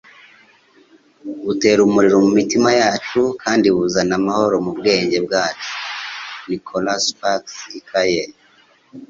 butera umuriro mu mitima yacu kandi buzana amahoro mu bwenge bwacu.” - Nicholas Sparks, Ikaye